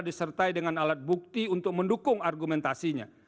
disertai dengan alat bukti untuk mendukung argumentasinya